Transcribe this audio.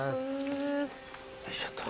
よいしょと。